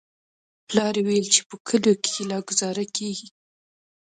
پلار يې ويل چې په کليو کښې لا گوزاره کېږي.